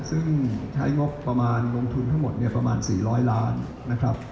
ซึ่งใช้งบประมาณลงทุนทั้งหมดประมาณ๔๐๐ล้านนะครับ